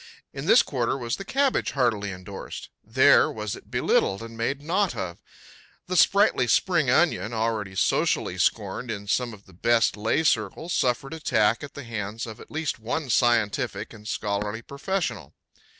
In this quarter was the cabbage heartily indorsed, there was it belittled and made naught of. The sprightly spring onion, already socially scorned in some of the best lay circles, suffered attack at the hands of at least one scientific and scholarly professional.